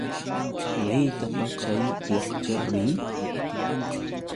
¿Maytapa chay wakcha rin?